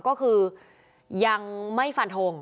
ก็คือยังไม่ฝ่านโทง